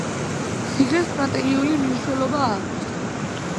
ციხეს სტრატეგიული მნიშვნელობა აქვს.